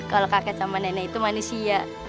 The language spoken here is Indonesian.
kalau kakek sama nenek itu manusia